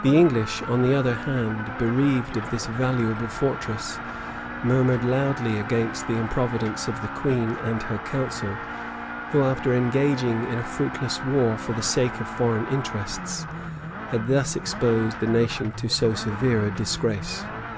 The English, on the other hand, bereaved of this valuable fortress, murmured loudly against the improvidence of the queen and her council; who, after engaging in a fruitless war for the sake of foreign interests, had thus exposed the nation to so severe a disgrace.